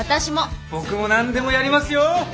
僕も何でもやりますよ。